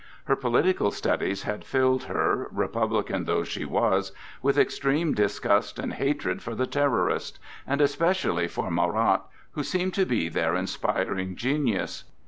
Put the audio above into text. Her political studies had filled her, republican though she was, with extreme disgust and hatred for the Terrorists, and especially for Marat, who seemed to be their inspiring genius.